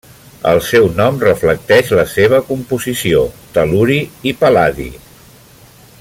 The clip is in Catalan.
El seu nom reflecteix la seva composició: tel·luri i pal·ladi.